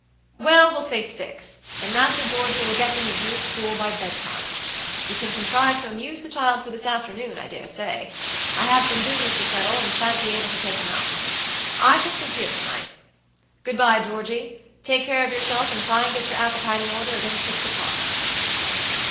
"Well, we'll say six, and Master Georgey will get to his new school by bedtime. You can contrive to amuse the child for this afternoon, I dare say. I have some business to settle, and sha'n't be able to take him out. I shall sleep here to night. Good by, Georgey; take care of yourself and try and get your appetite in order against six o'clock."